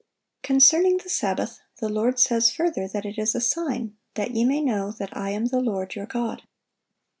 (730) Concerning the Sabbath, the Lord says, further, that it is "a sign, ... that ye may know that I am the Lord your God."